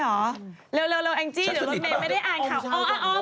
พี่มดรู้จักด้วยหรอเร็วแองจี้เดี๋ยวรถเมย์ไม่ได้อ่านข่าวออม